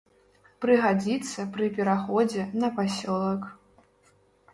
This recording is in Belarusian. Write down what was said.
Прыгадзіцца пры пераходзе на пасёлак.